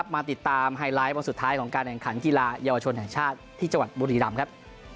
มาติดตามไฮไลท์วันสุดท้ายของการแข่งขันกีฬาเยาวชนแห่งชาติที่จังหวัดบุรีรำครับ